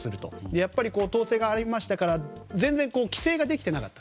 やっぱり統制がありましたから全然帰省ができていなかった。